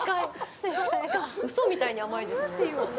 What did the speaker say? うそみたいに甘いですね。